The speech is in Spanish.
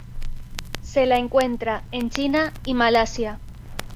Se la encuentra en China y Malasia.